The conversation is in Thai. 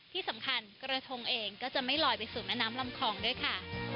ที่สำคัญกระทงเองก็จะไม่ลอยไปสู่แม่น้ำลำคองด้วยค่ะ